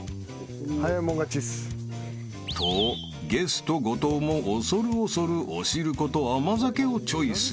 ［とゲスト後藤も恐る恐るおしること甘酒をチョイス］